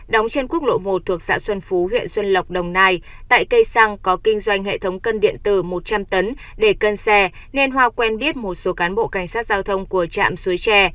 đóng trên quốc lộ một thuộc xã xuân phú huyện xuân lộc đồng nai tại cây xăng có kinh doanh hệ thống cân điện tử một trăm linh tấn để cân xe nên hoa quen biết một số cán bộ cảnh sát giao thông của trạm suối tre